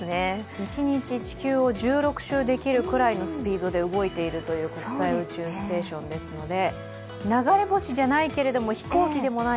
一日地球を１６周で切るくらいのスピードで動いているという国際宇宙ステーションですので、流れ星じゃないけれども飛行機でもない、